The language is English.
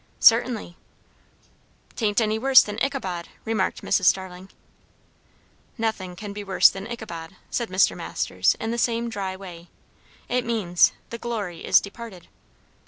"Certainly." "'Tain't any worse than Ichabod," remarked Mrs. Starling. "Nothing can be worse than Ichabod," said Mr. Masters in the same dry way. "It means, 'The glory is departed.'"